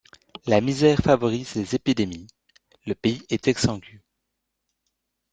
La misère favorise les épidémies, le pays est exsangue.